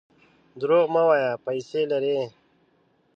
درواغ مه وایه ! پیسې لرې.